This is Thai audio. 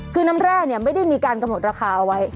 คือน้ำแร่ไม่ได้มีการกำหนดราคาเอาไว้